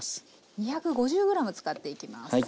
２５０ｇ使っていきます。